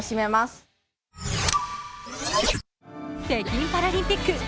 北京パラリンピック